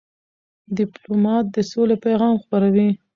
ډيپلومات د سولې پیغام خپروي.